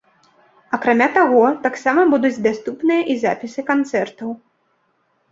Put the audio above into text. Акрамя таго, таксама будуць даступныя і запісы канцэртаў.